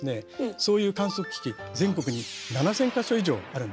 そういう観測機器全国に７，０００か所以上あるんだよね。